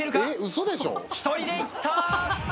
１人で行った！